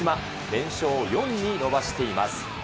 連勝４に伸ばしています。